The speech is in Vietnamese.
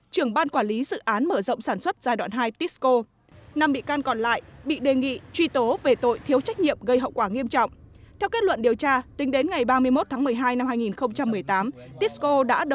trường ban quản lý dự án mở rộng sản xuất giai đoạn hai tixco